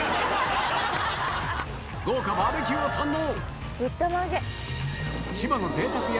豪華バーベキューを堪能。